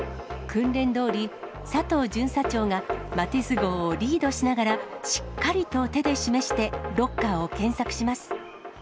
訓練どおり、佐藤巡査長がマティス号をリードしながら、しっかりと手で示して、ロッカーを検索します。